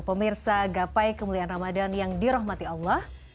pemirsa gapai kemuliaan ramadan yang dirahmati allah